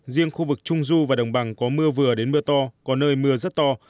riêng khu vực trung du và đồng bằng có mưa vừa đến mưa to có nơi mưa rất to